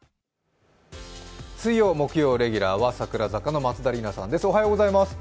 水曜・木曜レギュラーは櫻坂４６の松田里奈です。